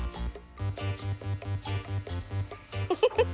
フフフフ。